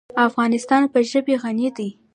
افغانستان په ژبې غني دی.